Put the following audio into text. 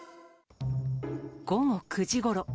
午後９時ごろ。